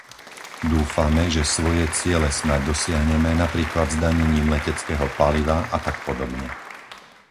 Dúfame, že svoje ciele snáď dosiahneme napríklad zdanením leteckého paliva a tak podobne.